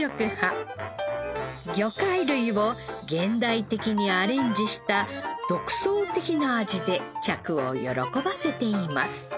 魚介類を現代的にアレンジした独創的な味で客を喜ばせています。